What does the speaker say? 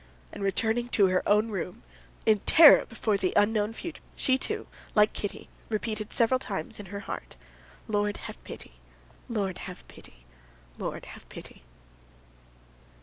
And returning to her own room, in terror before the unknown future, she, too, like Kitty, repeated several times in her heart, "Lord, have pity; Lord, have pity; Lord, have pity."